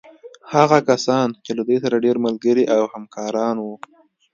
هغه کسان چې له دوی سره ډېر ملګري او همکاران وو.